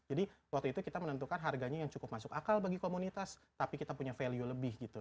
jadi waktu itu kita menentukan harganya yang cukup masuk akal bagi komunitas tapi kita punya value lebih gitu